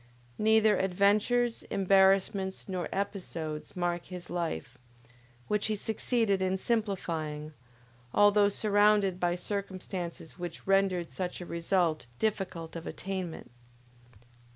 Neither adventures, embarrassments, nor episodes, mark his life, which he succeeded in simplifying, although surrounded by circumstances which rendered such a result difficult of attainment.